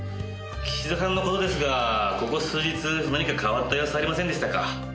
岸田さんの事ですがここ数日何か変わった様子はありませんでしたか？